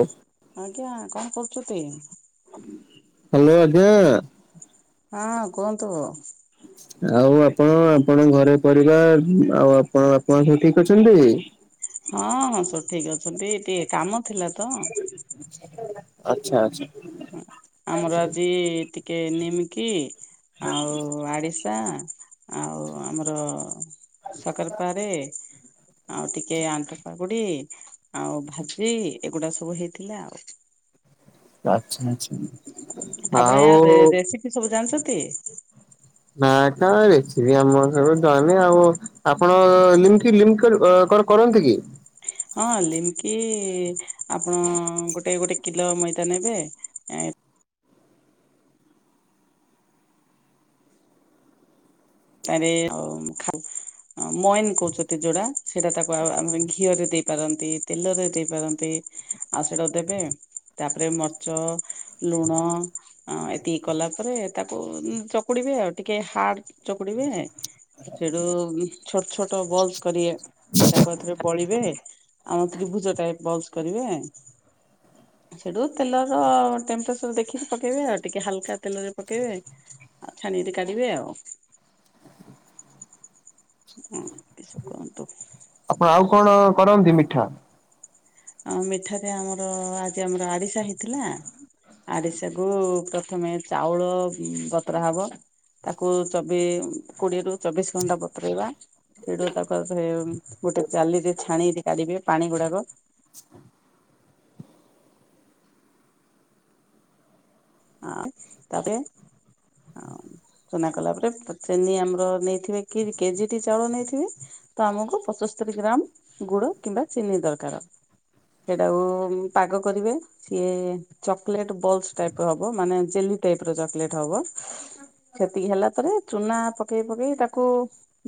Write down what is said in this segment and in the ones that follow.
ଉଁ ଆଜ୍ଞା, କଣ କରୁଛତି? ହ୍ୟାଲୋ ଆଜ୍ଞା। ହଁ କୁହନ୍ତୁ। ଆଉ ଆପଣ, ଆପଣଙ୍କ ଘରେ ପରିବାର, ଆଉ ଆପଣଙ୍କ ବାପା ମା ସବୁ ଠିକ ଅଛନ୍ତି? ହଁ ହଁ ସବୁ ଠିକ ଅଛନ୍ତି, ଟିକେ କାମ ଥିଲା ତ ଆଚ୍ଛା ଆଚ୍ଛା। ଆମର ଆଜି ଟିକେ ନିମକି ଆଉ ଆଡ଼ିସା ଆଉ ଆମର ସକରପାରେ ଆଉ ଟିକେ ଆଣ୍ଠପାଗୁଡି ଆଉ ଭାଜି ଏଗୁଡା ସବୁ ହେଇଥିଲା ଆଉ। ଆଚ୍ଛା ଆଚ୍ଛା। ଆପଣ ଆଉ ଏହାର ରେ-ରେସିପି ସବୁ ଜାଣିଛତି? ନାଁ ନାଁ ରେସିପି ଆମର ସବୁ ଜାଣିନି ଆଉ। ଆପଣ ଅ ଲିମକି ଲିମକ କଣ କରନ୍ତି କି? ହଁ ଲିମକି ଆପଣ ଗୋଟେ ଗୋଟେ କିଲୋ ମଇଦା ନେବେ ଏ ତାରେ ଅ ଖାଉ ମଏନ୍ କହୁଛନ୍ତି ଯୋଉଟା ସେଇଟା ତାକୁ ଆମ ଘିଅରେ ଦେଇପାରନ୍ତି, ତେଲରେ ଦେଇପାରନ୍ତି ଆଉ ସେଇଟାକୁ ଦେବେ। ତାପରେ ମର୍ଚ, ଲୁଣ ଅ ଏତିକି କଲା ପରେ ତାକୁ, ଉମ୍ ଚକୁଡିବେ ଆଉ ଟିକେ ହାର୍ଡ ଚକୁଡିବେ ସେଉଠୁ ଛୋଟ ଛୋଟ ବଲ୍ସ କରିବେ, ତାକୁ ଆଉଥରେ ବଳିବେ ଆମ ତ୍ରିଭୁଜ ଟାଇପ ବଲ୍ସ କରିବେ ସେଉଠୁ ତେଲର ଟେମ୍ପରେଚର ଦେଖିକି ପକେଇବେ ଆଉ ଟିକେ ହାଲକା ତେଲରେ ପକେଇବେ ଆଉ ଛାଣିକିରି କାଢିବେ ଆଉ। ହୁଁ କିସ କୁହନ୍ତୁ। ଆପଣ ଆଉ କଣ କରନ୍ତି ମିଠା? ଅଁ ମିଠାରେ ଆମର ଆଜି ଆମର ଆରିସା ହେଇଥିଲା ଆରିସାକୁୁ ପ୍ରଥମେ ଚାଉଳ ବତୁରା ହବ ତାକୁ ଚବି କୋଡିଏରୁ ଚବିଶ ଘଣ୍ଟା ବତୁରେଇବା ସେଉଟୁ ତାକୁ ଆଉଥରେ ଗୋଟେ ଜାଲିରେ ଛାଣିକିରି କାଢ଼ିବେ, ପାଣି ଗୁଡାକ। ଆଁ ତାପ ଆଉ ଚୁନା କଲା ପରେ ଚେନି ଆମର ନେଇଥିବେ କି କେଜିଟି ଚାଉଳ ନେଇଥିବେ ତ ଆମକୁ ପଚସ୍ତରି ଗ୍ରାମ୍ ଗୁଡ କିମ୍ବା ଚିନି ଦରକାର। ସେଇଟାକୁ ପାଗ କରିବେ, ସିଏ ଚକଲେଟ୍ ବଲ୍ସ ଟାଇପ ର ହବ, ମାନେ ଜେଲି ଟାଇପର ଚକଲେଟ୍ ହବ ସେତିକି ହେଲା ପରେ, ଚୁନା ପକେଇ ପକେଇ ତାକୁ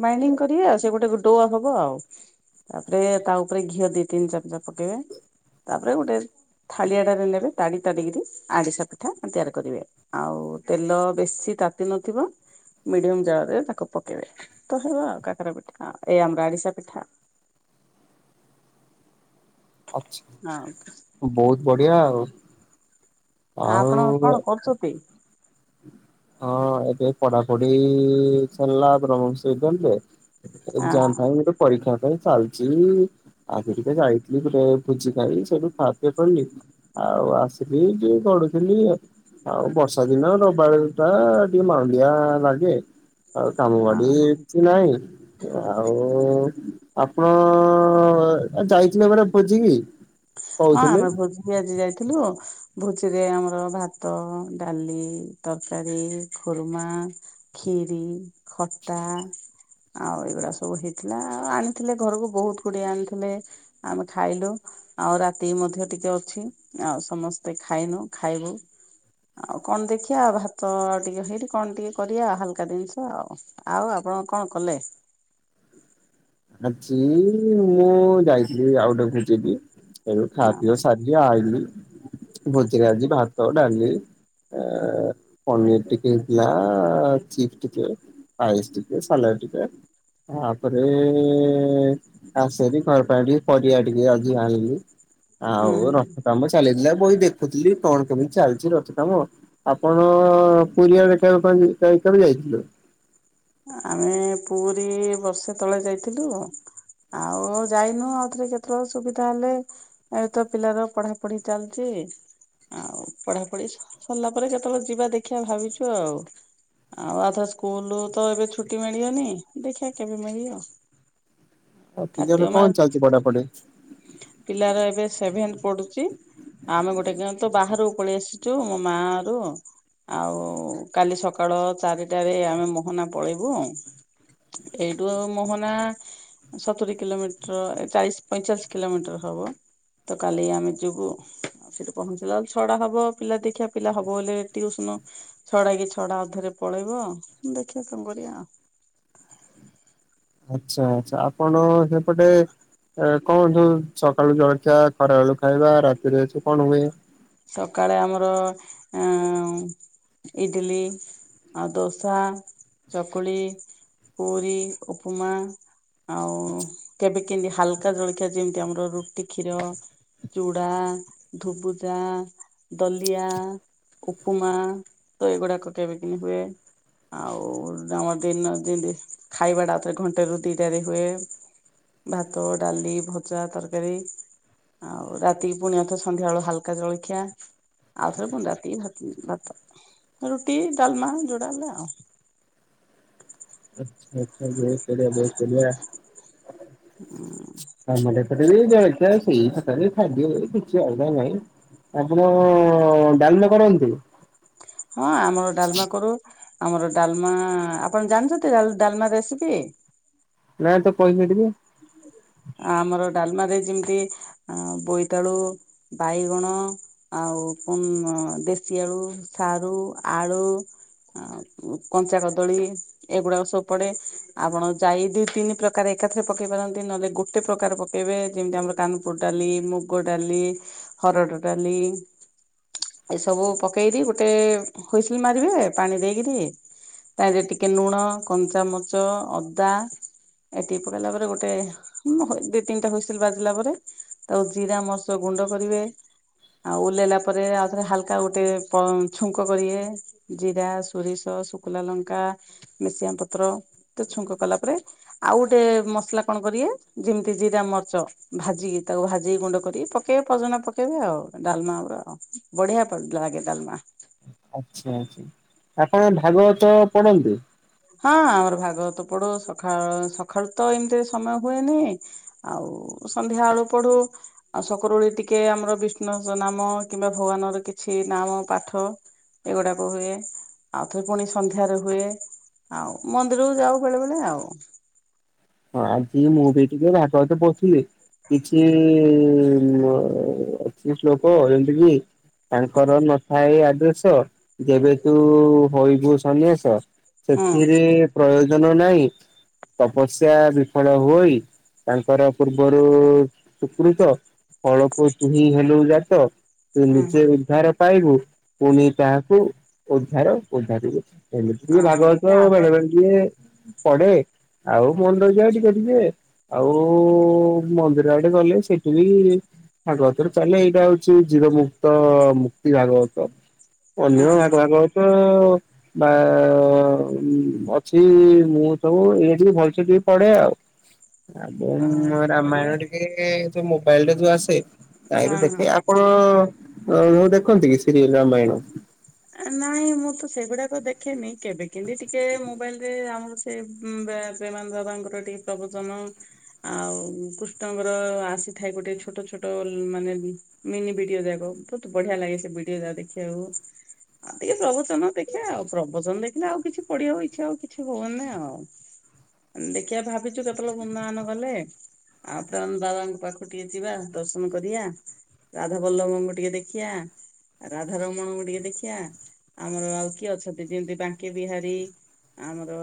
ବାଇଣ୍ଡିଂ କରିବେ ଆଉ ସିଏ ଗୋଟେ ଡୋ ହବ ଆଉ। ତାପରେ ତା ଉପରେ ଘିଅ ଦି ତିନି ଚାମଚା ପକେଇବେ ତାପରେ ଗୋଟେ ଥାଳିଆଟାରେ ନେବେ ତାଡି ତାଡ଼ିକିରି ଆଡିଶା ପି ପିଠା ତିଆରି କରିବେ। ଆଉ ତେଲ ବେଶୀ ତାତି ନଥିବ ମିଡିୟମ ଜାଳରେ ତାକୁ ପକେଇବେ, ତ ହେବ ଆଉ କାକରା ପିଠା ଆଉ ଏ ଆମର ଆରିସା ପିଠା ଆଉ। ଅଛି। ହଁ। ବହୁତ ବଢିଆ ଆଉ। ଆ ଆଉ ଆପଣ କଣ କରୁଚତି? ହଁ ଏବେ ପଢାପଢି ସରିଲା ବ୍ରହ୍ମଶ୍ରୀ କଲରେ ହଁ ଏକ୍ଜାମ ହଁ ପାଇଁ ଗୋଟେ ପରୀକ୍ଷା ପାଇଁ ଚାଲିଛି ଆଗ ଟିକେ ଯାଇଥିଲି ବୁଲିଆ ଭୋଜି ଖାଇ ସେଉଠୁ ଖା ପିଅ କରିଲି। ଆଉ ଆସିଲି ଟିକେ ଗଢୁଥିଲି ଆଉ ବର୍ଷା ଦିନ ରବିବାରେ ଆଁ ଟିକେ ମାଣ୍ଡିଆ ଲାଗେ ଆଉ କାମ ହଁ ବାଡି କିଛିନାଇଁ। ଆଉ ଆପଣ ଯାଇଥିଲେ ପରା ଭୋଜିିକି? ହଁ କହୁଥିଲେ। ଆମେ ଭୋଜି ଜି ଆଜି ଯାଇଥିଲୁ ଭୋଜିରେ ଆମର ଭାତ ଡାଲି ତରକାରୀ ଖୁର୍ମା ଖିରି ଖଟା ଆଉ ଏଇଗୁଡା ସବୁ ହେଇଥିଲା ଆଉ ଆଣିଥିଲେ ଘରକୁ ବହୁତ ଗୁଡିଏ ଆଣିଥିଲେ ଆମେ ଖାଇଲୁ ଆଉ ରାତିକୁ ମଧ୍ୟ ଟିକେ ଅଛି ଆଉ ସମସ୍ତେ ଖାଇନୁ ଖାଇବୁ ଆଉ କଣ ଦେଖିବା ଭାତ ଟିକେ ହେଇଠି କଣ ଟିକେ କରିବା ହାଲକା ଜିନିଷ ଆଉ। ଆଉ ଆପଣ କଣ କଲେ।? ଆଜି ମୁଁ ଯାଇଥିଲି ଆଉ ଗୋଟେ ଭୋଜିକି ଏ ଖାଆ ପିଅ ସାରି ଆଇଲି ଭୋଜିରେ ଆଜି ଭାତ ଡାଲି ଆ ପନିର ଟିକେ ହେଇଥିଲା ଚିପ୍ ଟିକେ ପାଇସି ଟିକେ ସଲାଡ ଟିକେ ତାପରେ ଏଁ ଆସେରୀ ପାରପେରି ପରିବା ଟିକେ ଆଜି ଆଣିଲି। ଆଉ ହୁଁ ରଥ କାମ ଚାଲିଥିଲା ବଇ ଦେଖୁଥିଲି କଣ କେମିତି ଚାଲିଛି ରଥ କାମ। ଆପଣ ପୁରୀ ଆଡ଼େ କେବେ କଣ ଯା ଜ [unintelligible] ଯାଇଥିଲେ। ଆମେ ପୁରୀ ବର୍ଷେ ତଳେ ଯାଇଥିଲୁ। ଆଉ ଯାଇନୁ ଆଉଥରେ କେତେବେଳେ ସୁବିଧା ହେଲେ ଏଇ ତ ପିଲାର ପଢାପଢି ଚାଲିଚି। ଆଉ ପଢାପଢି ସ ସରିଲା ପରେ ଯେତେବେଳେ ଯିବା ଦେଖିଆ ଭାବିଛୁ ଆଉ ଆଉ ଆଥ ସ୍କୁଲ ତ ଏବେ ଛୁଟି ମିଳିବନି ଦେଖିଆ କେବେ ମିଳିବ। ଆଉ ପିଲର କାର୍ତ୍ତିକ କଣ ମାସ ଚାଲିଛି ପଢା ପଢ଼ି? ପିଲାର ଏବେ ସେବେନ୍ତଃ ପଢୁଛି। ଆମେ ଗୋଟେ ଗାଁ ତ ବାହାରକୁ ପଳେଇ ଆସିଛୁ ମୋ ମା ଅରୁ ଆଉ କାଲି ସକାଳ ଚାରିଟାରେ ଆମେ ମୋହନା ପଳେଇବୁ। ଏଇଠୁ ମୋହନା ସତୁରି କିଲୋମିଟର ଚାଳିଶ ପଇଁଚାଳିଶ କିଲୋମିଟର ହବ ତ କାଲି ଆମେ ଯିବୁ। ସେଠୁ ପହଞ୍ଚିଲା ବେଳକୁ ଛଟା ହବ ପିଲା ଦେଖିବା ପିଲା ହବ ବଲେ ଟିଉସନ ଛଟା କି ଛଟା ଅଧରେ ପଳେଇବ ଦେଖିବା କଣ କରିବା ଆଉ ଆଚ୍ଛା ଆଛା ଆପଣ ସେପଟେ ଏ କଣ ସୁ ସକାଳୁ ଜଳଖିଆ ଖରା ବେଳୁ ଖାଇବା ରାତିରେ ଛୁ କଣ ହୁଏ? ସକାଳେ ଆମର ଅ ଇଡିଲି ଆଉ ଦୋସା ଚକୁଳି ପୁରୀ ଉପମା ଆଉ କେବେ କେମିତି ହାଲକା ଜଳଖିଆ ଯେମିତି ଆମର ରୁଟି କ୍ଷୀର ଚୁଡା ଧୁବୁଜା ଦଲିଆ ଉପମା ତ ଏଇଗୁଡାକ କେବେ କେମିତି ହୁଏ। ଆଉ ଆମର ଦିନ ଯିନ୍ତି ଖାଇବା ଟା ଆଉଥରେ ଘଣ୍ଟେ ରୁ ଦିଟା ରେ ହୁଏ। ଭାତ ଡାଲି ଭଜା ତରକାରୀ ଆଉ ରାତି ପୁଣି ଆଥରେ ସନ୍ଧ୍ୟାବଳ ହାଲ କା ଜଳଖିଆ ଆଉଥରେ ରାତି ପୁଣି ଭାତ ଭାତ। ରୁଟି ଡାଲମା ଯୋଟା ହେଲେ ଆଉ। ଆଛା ବହୁତ ବଢିଆ ବହୁତ ବଢିଆ ଆଉ [unintelligible] [unintelligible] ସେ ବଳଛ ସେଇ କଥା [unintelligible] ଖାଲି ଖାଦ୍ୟ କିଛି ଅଲଗା ନାଇଁ ଆପଣ ଡାଲମା କରନ୍ତି? ହଁ ଆମର ଡ଼ାଲମା କରୁ। ଆମର ଡ଼ାଲମା ଆପଣ ଜାଣିଛନ୍ତି ଡା ଡ଼ାଲମା ରେସିପି? ନାଇଁ ତ କହିବେ ଟିକେ। ଆମର ଡ଼ାଲମା ରେ ଯେମିତି ବୋଇତାଳୁ, ବାଇଗଣ ଆଉ ଦେଶୀ ଆଳୁ ସାରୁ ଆଳୁ। ଆଉ କଞ୍ଚା କଦଳୀ। ଏଗୁଡ଼ାକ ସବୁ ପଡ଼େ ଆପଣ ଜାଇ ଦୁଇ ତିନି ପ୍ରକାର ଏକାଥରେ ପକେଇ ପାରନ୍ତି ନହେଲେ ଗୋଟେ ପ୍ରକାର ପକେଇବେ ଯେମିତି ଆମର କାନପୁର୍ ଡ଼ାଲି, ମୁଗ ଡ଼ାଲି। ହରଡ଼ ଡ଼ାଲି। ଏ ସବୁ ପକେଇକି ଗୋଟେ ହୁଇସିଲି ମାରିବେ ପାଣି ଦେଇକରି। ତା ଦେହରେ ଟିକେ ଲୁଣ କଞ୍ଚାମରିଚ ଅଦା ଏତିକି। ପକେଇଲା ପରେ ଗୋଟେ ଦି ତିନିଟା ହୁଇସିଲି ବାଜିଲା ପରେ ତାକୁ ଜିରା ମରିସ ଗୁଣ୍ଡ କରିବେ। ଆଉ ଓହ୍ଲେଇଲା ପରେ ଆଉଥରେ ହାଲକା ଗୋଟେ [unintelligible] ଛୁଙ୍କ କରିବେ। ଜିରା, ଶୋରିଷ, ଶୁଖିଲା ଲଙ୍କା ଭେର୍ସୁଙ୍ଗା ପତ୍ର ତ ଛୁଙ୍କ କଲା ପରେ ଆଉ ଗୋଟେ [unintelligible] ମସଲା କଣ କରିବେ ଯେମିତି ଜିରା ମରିଚ। ଭାଜିକି ତାକୁ ଭାଜିକି ଗୁଣ୍ଡ କରିକି ପକେଇବେ ପଜନା ପକେଇବେ ଆଉ ଡ଼ାଲମା [unintelligible] ବଢ଼ିଆ ଲାଗେ ଡ଼ାଲମା। ଆଚ୍ଛା ଆଚ୍ଛା ଆପଣ ଭାଗବତ ପଢ଼ନ୍ତି? ହଁ ଆମର ଭାଗବତ ପଢୁ ସକାଳୁ ସକାଳୁ ତ ଏମିତିରେ ସମୟ ହୁଏନି। ଆଉ ସନ୍ଧ୍ୟାବେଳୁ ପଢୁ। ଆଉ ସକାଳ ଓଳି ଟିକେ ଆମର ବିଷ୍ଣୁ ଙ୍କ ନାମ କିମ୍ବା ଭଗବାନର କିଛି ନାମ ପାଠ। ଏଗୁଡ଼ାକ ହୁଏ ଆଉଥରେ ପୁଣି ସନ୍ଧ୍ୟାରେ ହୁଏ। ଆଉ ମନ୍ଦିରକୁ ଯାଉ ବେଳେ ବେଳେ ଆଉ। ହଁ ଆଜି ମୁଁ ବି ଟିକେ ଭାଗବତ ପଢ଼ୁଥିଲି। କିଛି ଅଛି ଶ୍ଳୋକ ଏମିତି। ତାଙ୍କର ନଥାଏ ଆଦେଶ ଯେବେ ତୁ ହୋଇବୁ ସନ୍ନ୍ୟାସ। ହୁଁ। ସେଥିରେ ପ୍ରୟୋଜନ ନାହିଁ ତପସ୍ ତପସ୍ୟା ବିଫଳ ହୁଅଇ ତାଙ୍କର ପୂର୍ବରୁ ସୁକୃତ। ଫଳକୁ ତୁ ହି ହେଲୁ ଯାତ। ତୁ ଉଁ ହୁଁ ନିଜେ ଉଦ୍ଧାର ପାଇବୁ ପୁଣି ତାହାକୁ ଉଦ୍ଧାର ଉଦ୍ଧାରିବୁ। ଆ ଏମିତି ବଢିଆ ଭାଗବତ ଆପଣ ବେଳେବେଳେ ଟିକେ ପଢ଼େ ଆଉ ମନେ ରହିଯାଏ ଟିକେ ଟିକେ ଆଉ ମନ୍ଦିର ଆଡ଼େ ଗଲେ ସେଠି ବି ଭାଗବତରେ ଚାଲେ ଏଇଟା ହଉଚି ଜିରୋ ମୁୁକ୍ତ ମୁକ୍ତି ଭାଗବତ। ଅନ୍ୟ ହଁ ଭାଗ ହଁ ଭାଗବତ ତ ବା ଅଛି ମୁଁ ସବୁ ଏଇ ଟିକେ [unintelligible] ସେଠି ପଢ଼େ ହଁ ଆଉ ବଲେ ରାମାୟଣ ଟିକେ ଏ ଯୋଉ ମୋବାଇଲରେ ଯୋଉ ଆସେ ହଁ [unintelligible] ହଁ। ଦେଖେ ଆ ଆପଣ ମୁଁ ଦେଖନ୍ତି କି ସିରିଏଲ ରାମାୟଣ? ନାଇଁ ମୁଁ ତ ସେଗୁଡ଼ାକ ଦେଖେନି କେବେ କେବେ ଟିକେ ମୋବାଇଲ ରେ ଆମର ସେ ପ୍ରେ ପ୍ରେମାନନ୍ଦ ବାବା ଙ୍କ ର ଟିକେ ପ୍ରବଚନ ଆଉ କୃଷ୍ଣଙ୍କର ଆସିଥାଏ ଗୋଟେ ଛୋଟ ଛୋଟ ମାନେ ମିନି ଭିଡ଼ିଓ ଯାକ ବହୁତ୍ ବଢ଼ିଆ ଲାଗେ ସେ ଭିଡ଼ିଓ ଯାକ ଦେଖିବାକୁ। ଆଉ ଟିକେ ପ୍ରବଚନ ଦେଖେ ଆଉ ପ୍ରବଚନ ଦେଖିଲେ ଆଉ କିଛି ପଢ଼ିବାକୁ ଇଚ୍ଛା ଆଉ କିଛି ହୁଏନି ଆଉ। ଦେଖିବା ଭାବିଛୁ କେତେବେଳେ ବୃନ୍ଦାବନ ଗଲେ ଆଉ ପ୍ରେମାନନ୍ଦ ବାବାଙ୍କ ପାଖକୁ ଟିକେ ଯିବା ଦର୍ଶନ କରିବା। ରାଧାବଲ୍ଲଭଙ୍କୁ ଟିକେ ଦେଖିଆ ରାଧା ରମଣଙ୍କୁ ଟିକେ ଦେଖି ବା ଆମର ଆଉ କିଏ ଅଛନ୍ତି ଯେମିତି ବାଙ୍କି ବିହାରୀ ଆମର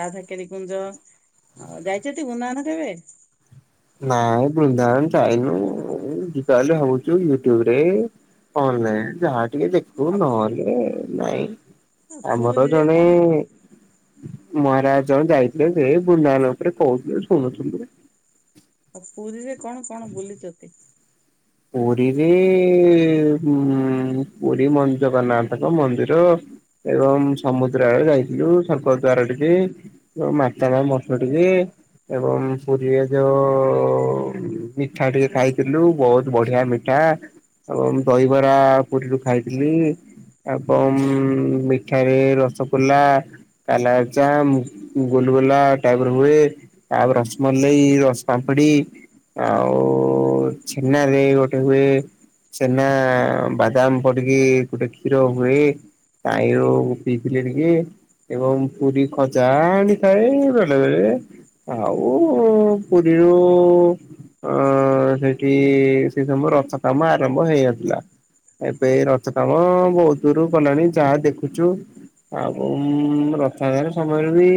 ରାଧାକେରି କୁଞ୍ଜ ଆଉ ଯାଇଛନ୍ତି ବୃନ୍ଦାବନ କେବେ? ନାଇଁ ବୃନ୍ଦାବନ ଯାଇନୁ ଉଁ ଯିବା ବୋଲି ଭାବୁଚୁ। ୟୁଟ୍ୟୁବରେ ଅନଲାଇନ୍ ଯାହା ଟିକେ ଦେଖୁ ଆଉ ନହେଲେ ନାଇଁ। ଆମର ପୁରୀରେ ଜଣେ କଣ ମହାରାଜ ଜଣେ ଯାଇଥିଲେ ସେ ବୃନ୍ଦାବନ ଉପରେ କହୁଥିଲେ ଶୁଣୁଥିଲୁ। ଆଉ ପୁରୀରେ କଣ କଣ ବୁଲିଚନ୍ତି? ପୁରୀରେ ଉଁ ପୁରୀ [unintelligible] ମନ୍ଦିର ଏବଂ ସମୁଦ୍ରଆଡ଼େ ଯାଇଥିଲୁ, ସ୍ବର୍ଗ ଦ୍ୱାର ଟିକେ ମାତା [unintelligible] ମଠ ଟିକେ ଏବଂ ପୁରୀରେ ଯୋଉ ଉଁ ମିଠା ଟିକେ ଖାଇଥିଲୁ ବହୁ ବଢିଆ ମିଠା ଏବଂ ଦହିବରା ପୁରୀରୁ ଖାଇଥିଲି ଏବଂ ମିଠାରେ ରସଗୋଲା କାଲାଯାମ୍ ଗୁଲୁଗୁଲା ଟାଇପର ହୁଏ। ତା ପରେ ରସ୍ ମଲେଇ, ରସ୍ ପାମ୍ପଡି [unintelligible] ଉ ଛେନାରେ ଗୋଟେ ହୁଏ ଛେନା ବାଦାମ ପଡିକି ଗୋଟେ କ୍ଷୀର ହୁଏ ତାହିଁରୁ ପିଇଥିଲି ଟିକେ ଏବଂ ପୁରୀ ଖଜା ଆଣିଥାଏ ବେଳେବେଳେ ଆଉ ପୁରୀରୁ ଅଁ ସେଠି ସେ ସମୟରେ ରଥ କାମ ଆରମ୍ଭ ହେଇନଥିଲା। ଏବେ ରଥ କାମ ବହୁତ ଦୂରୁ ଗଲାଣି ଯାହା ଦେଖୁଛୁ ଆଉ ଉଁ ରଥ [unintelligible] ସମୟରେ ବି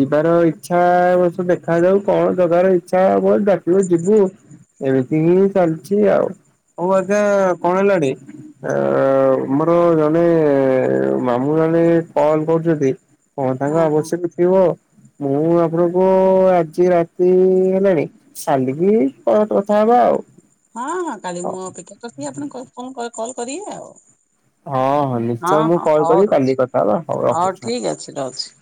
ଯିବାର ଇଚ୍ଛା ଏ ବର୍ଷ ଦେଖାଯାଉ କଣ ଜଗାର ଇଚ୍ଛା ହବ ଡାକିବ ଯିବୁ। ଏମିତି ହିଁ ଚାଲିଛି ଆଉ। ହଉ ଆଜ୍ଞା ହଁ କଣ ହେଲାଣି? ଆଁ ଆମର ଜଣେ ମାମୁଁ ଜଣେ କଲ କରୁଛନ୍ତି କଣ ତାଙ୍କ ହଁ ହଁ ଆବଶ୍ୟକ ଅଛି? ଥିବ ମୁଁ ଆପଣଙ୍କୁ ଆଜି ରାତି ହେଲାଣି କାଲିକି ପରେ କଥା ହବା ଆଉ। ହଁ ହଁ କାଲି ମୁଁ ଅପେକ୍ଷା କରିିଥିବି ଆପଣ କ-କ-କ-କଲ କରିବେ ଆଉ। ହଁ ହଁ ନିଶ୍ଚୟ ମୁଁ ହଁ କଲ୍ ହଉ କରିବି କାଲି ରହୁଛି। କଥା ହବା ହଉ ରଖୁଛି। ଠିକ୍ ଅଛି ରହୁଛି।